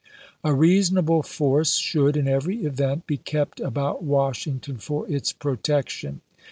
A reasonable force should, in every event, be kept about Washington for its protection.